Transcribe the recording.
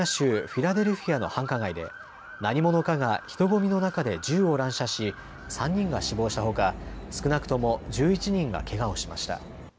フィラデルフィアの繁華街で何者かが人混みの中で銃を乱射し３人が死亡したほか少なくとも１１人がけがをしました。